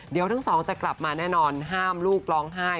เดี๋ยวทั้งสองจะกลับมาแน่นอนห้ามลูกร้องไห้